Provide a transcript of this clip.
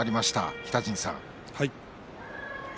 北陣さん。